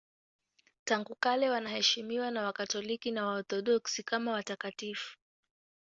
Tangu kale wanaheshimiwa na Wakatoliki na Waorthodoksi kama watakatifu.